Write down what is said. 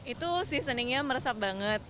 itu seasoningnya meresap banget